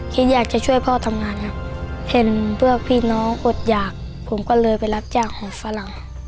คิดอยากจะช่วยพ่อทำงานครับเห็นพวกพี่น้องอดหยากผมก็เลยไปรับจ้างของฝรั่ง